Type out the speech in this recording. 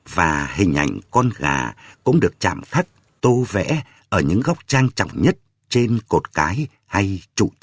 và hình ảnh con gà cũng được chạm khắc tô vẽ ở những góc trang trọng nhất trên cột cái hay trụ tròn